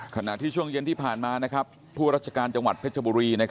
ขณะที่ช่วงเย็นที่ผ่านมาผู้ราชการจังหวัดเพชรบุรี